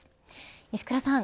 石倉さん